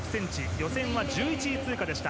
予選は１１位通過でした。